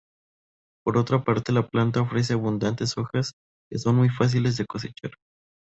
Por otra parte la planta ofrece abundantes hojas que son muy fáciles de cosechar.